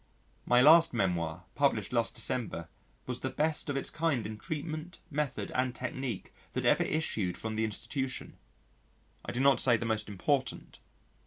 My last memoir published last December was the best of its kind in treatment, method and technique that ever issued from the institution I do not say the most important.